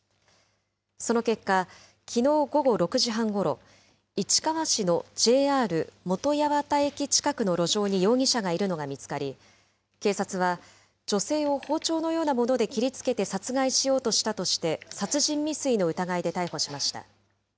その結果、きのう午後６時半ごろ、市川市のＪＲ本八幡駅近くの路上に容疑者がいるのが見つかり、警察は女性を包丁のようなもので切りつけて殺害しようとしたとして、殺人未遂の疑いで逮捕しました。